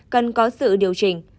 cần có sự điều chỉnh